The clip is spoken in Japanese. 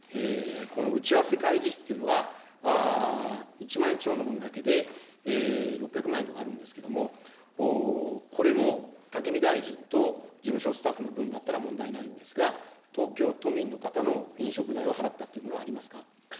この打ち合わせ会議費というのは、１万円超のものだけで６００万円とかあるんですけれども、これも武見大臣と事務所スタッフの分だったら問題ないんですが、東京都民の方の飲食代を払ったというものはありますか。